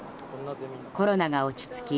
コロナが落ち着き